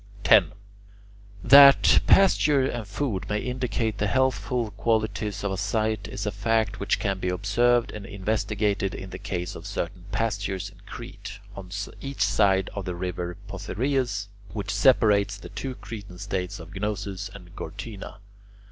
10. That pasturage and food may indicate the healthful qualities of a site is a fact which can be observed and investigated in the case of certain pastures in Crete, on each side of the river Pothereus, which separates the two Cretan states of Gnosus and Gortyna.